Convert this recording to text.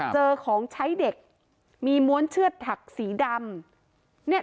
เจอของใช้เด็กมีม้วนเชือดถักสีดำเนี่ย